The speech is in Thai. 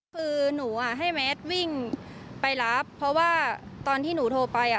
คือหนูอ่ะให้แมทวิ่งไปรับเพราะว่าตอนที่หนูโทรไปอ่ะ